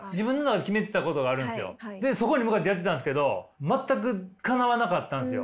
でそこに向かってやってたんですけど全くかなわなかったんすよ。